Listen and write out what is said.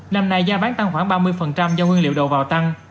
năm nay giá bán tăng khoảng ba mươi do nguyên liệu đầu vào tăng